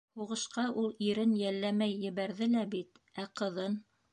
Һуғышҡа ул ирен йәлләмәй ебәрҙе лә бит, ә ҡыҙын?